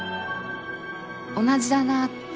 同じだなって。